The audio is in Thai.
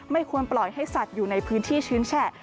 ควรปล่อยให้สัตว์อยู่ในพื้นที่ชื้นแฉะ